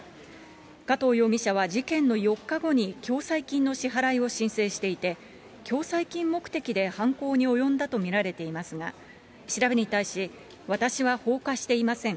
加藤容疑者は事件の４日後に共済金の支払いを申請していて、共済金目的で犯行に及んだと見られていますが、調べに対し、私は放火していません。